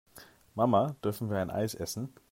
Mama, dürfen wir ein Eis essen?